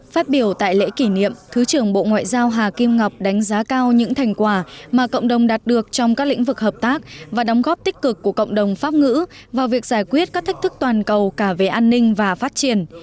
phát biểu tại lễ kỷ niệm thứ trưởng bộ ngoại giao hà kim ngọc đánh giá cao những thành quả mà cộng đồng đạt được trong các lĩnh vực hợp tác và đóng góp tích cực của cộng đồng pháp ngữ vào việc giải quyết các thách thức toàn cầu cả về an ninh và phát triển